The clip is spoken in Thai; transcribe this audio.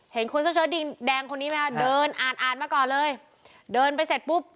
เห็นคนเสื้อเชิดแดงคนนี้ไหมคะเดินอ่านอ่านมาก่อนเลยเดินไปเสร็จปุ๊บ